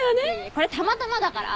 これはたまたまだから。